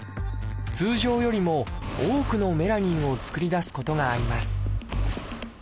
通常よりも多くのメラニンを作り出すことがあります